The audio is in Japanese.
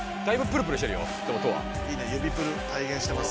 いいね指プルたいげんしてます。